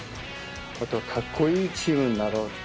あとはかっこいいチームになろうと。